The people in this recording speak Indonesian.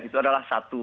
itu adalah satu